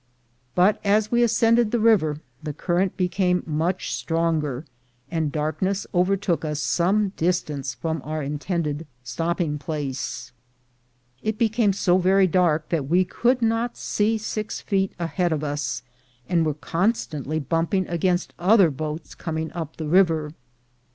But as we ascended the river the current became much stronger, and darkness overtook us some distance from our intended stopping place. It became so very dark that we could not see six feet ahead of us, and were constantly bumping against other boats coming up the river.